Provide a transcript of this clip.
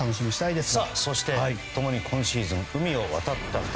そして共に今シーズン海を渡った２人。